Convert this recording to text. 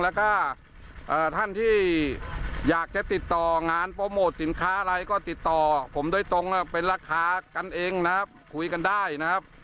แล้วก็ท่านที่อยากจะติดต่องานโปรโมทสินค้าอะไรก็ติดต่อผมโดยตรงเป็นราคากันเองนะครับคุยกันได้นะครับ